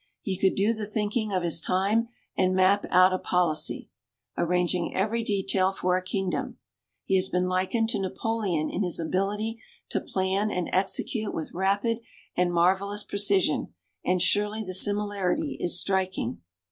He could do the thinking of his time and map out a policy, "arranging every detail for a kingdom." He has been likened to Napoleon in his ability to plan and execute with rapid and marvelous precision, and surely the similarity is striking.